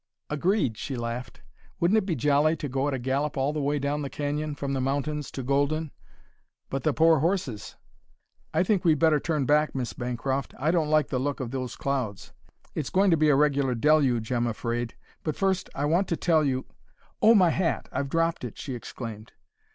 "Agreed!" she laughed. "Wouldn't it be jolly to go at a gallop all the way down the canyon, from the mountains to Golden? But the poor horses!" "I think we'd better turn back, Miss Bancroft. I don't like the look of those clouds. It's going to be a regular deluge, I'm afraid. But first, I want to tell you " "Oh, my hat! I've dropped it!" she exclaimed.